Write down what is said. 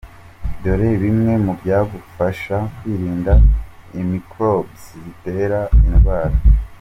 Dore bimwe mu byagufasha kwirinda imicrobes zitera iyi ndwara.